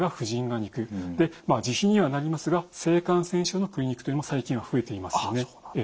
自費にはなりますが性感染症のクリニックというのも最近は増えていますよね。